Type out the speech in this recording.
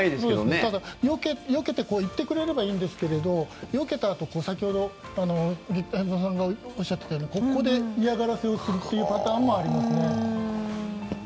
ただ、よけて行ってくれればいいんですけどよけたあと、先ほど劇団さんがおっしゃっていたようにここで嫌がらせをするというパターンもありますね。